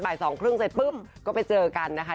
สองครึ่งเสร็จปุ๊บก็ไปเจอกันนะคะ